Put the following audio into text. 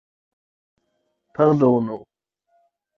Pardonu.